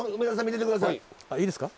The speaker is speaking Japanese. いいですか。